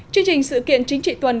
chương trình sự kiện chính trị tuần